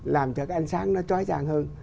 làm cho cái ánh sáng nó trói tràn hơn